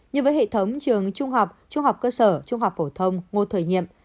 như với hệ thống trường trung học trung học cơ sở trung học phổ thông ngô thời nhiệm